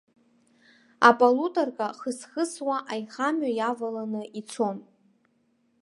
Аполутарка хыс-хысуа аихамҩа иаваланы ицон.